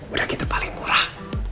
udah gitu paling murah